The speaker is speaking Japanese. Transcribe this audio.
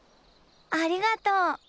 ありがとう。